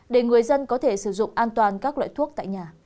để người dân có thể sử dụng an toàn các loại thuốc tại nhà